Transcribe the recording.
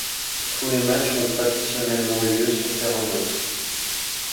Tous les matches ont traditionnellement lieu sur terrain neutre.